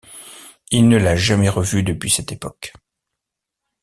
Il ne l'a jamais revue depuis cette époque.